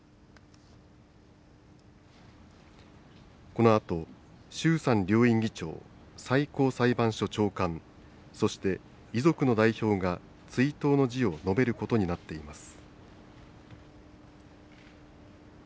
このあと、衆参両院議長、最高裁判所長官そして遺族の代表が追悼の辞を述べることになっています。